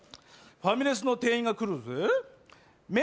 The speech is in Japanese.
ファミレスの店員が来るぜぇ。